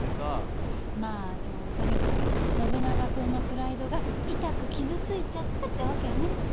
まあでもとにかくノブナガ君のプライドがいたく傷ついちゃったって訳よね。